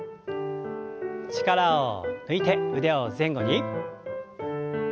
力を抜いて腕を前後に。